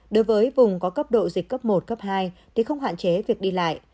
đối với vùng có cấp độ dịch cấp một cấp hai thì không hạn chế việc đi lại